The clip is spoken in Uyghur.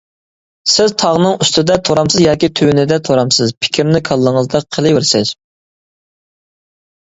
سىز تاغنىڭ ئۈستىدە تۇرامسىز ياكى تۆۋىنىدە تۇرامسىز، پىكىرنى كاللىڭىزدا قىلىۋېرىسىز.